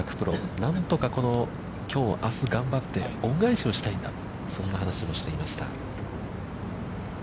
何とかこのきょう、あす頑張って、恩返しをしたいんだ、そんな話もしていました。